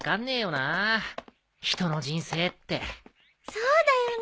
そうだよね。